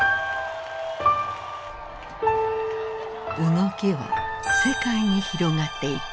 動きは世界に広がっていく。